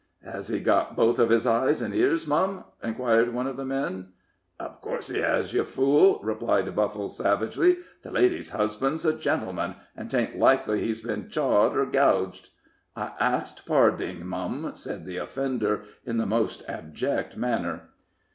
"Hez he got both of his eyes an' ears, mum?" inquired one of the men. "Uv course he hez, you fool!" replied Buffle, savagely. "The lady's husband's a gentleman, an' 'tain't likely he's, been chawed or gouged." "I ax parding, mum," said the offender, in the most abject manner.